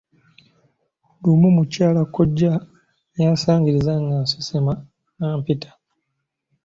Lumu mukyala kkojja yansangiriza nga nsesema n'ampita.